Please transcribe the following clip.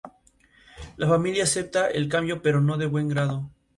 La raza puede encontrarse en varios colores, incluyendo rojizo-bermejo y negro.